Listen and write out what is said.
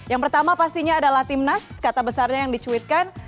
yang pertama pastinya adalah timnas kata besarnya yang dicuitkan